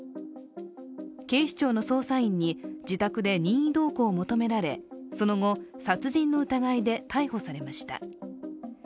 警視庁の捜査員に自宅で任意同行を求められ、その後、殺人の疑いで逮捕されました。